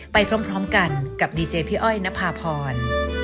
ไปพร้อมกันกับดีเจพี่อ้อยนภาพร